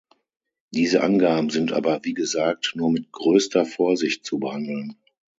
Diese Angaben sind aber wie gesagt nur mit größter Vorsicht zu behandeln.